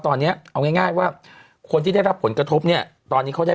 ตอนนี้เอาง่ายง่ายว่าคนที่ได้รับผลกระทบเนี่ยตอนนี้เขาได้